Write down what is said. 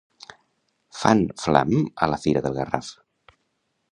Fan flam a la fira del Garraf.